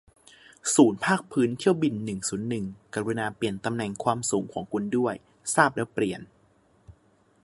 ศูนย์ภาคพื้นถึงเที่ยวบินหนึ่งศูนย์หนึ่ง กรุณาเปลี่ยนตำแหน่งความสูงของคุณด้วย ทราบแล้วเปลี่ยน